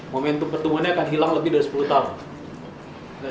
momentum pertumbuhannya akan hilang lebih dari sepuluh tahun